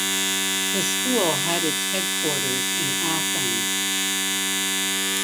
The school had its headquarters in Athens.